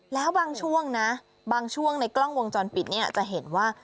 แล้วบางช่วงนะบางช่วงในกล้องวงจรปิดเนี่ยจะเห็นว่า